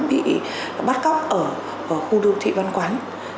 bị bắt cóc ở khu đô thị văn quán